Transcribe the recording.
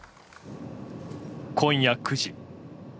今夜９時。